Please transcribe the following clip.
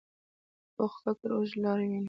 پوخ فکر اوږده لاره ویني